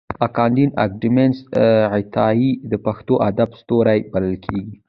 کانديد اکاډميسن عطايي د پښتو ادب ستوری بلل کېږي.